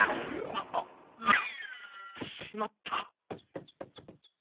あっ！？しまった。